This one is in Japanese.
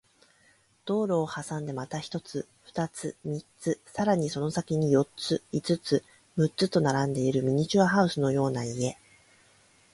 道路を挟んでまた一つ、二つ、三つ、さらにその先に四つ、五つ、六つと並んでいるミニチュアハウスのような家